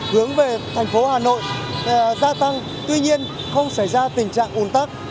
hướng về thành phố hà nội gia tăng tuy nhiên không xảy ra tình trạng ủn tắc